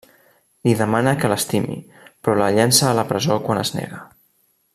Li demana que l'estimi, però la llença a la presó quan es nega.